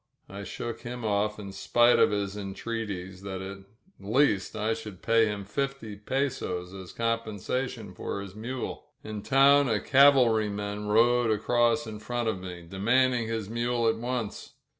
I shook him off in spite of his entreaties that at least I should pay him fifty pesos as compen sation for his mule. In town a cavalryman rode across in front of me, demanding his mule at once.